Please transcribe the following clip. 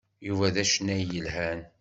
Yuba d acennay yelhan.